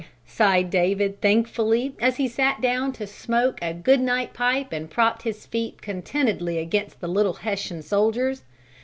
sighed David thankfully as he sat down to smoke a good night pipe and propped his feet contentedly against the little Hessian soldiers.